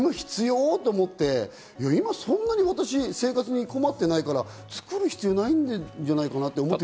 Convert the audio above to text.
今、そんなに私、生活に困ってないから作る必要ないんじゃないかなって。